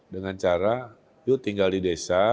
dengan cara yuk tinggal di desa